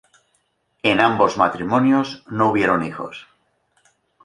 En ambos matrimonios no hubieron hijos.